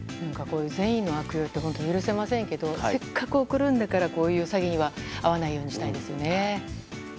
こういう善意の悪用って許せませんけどせっかく送るんだからこういう詐欺には遭わないようにしたいですね。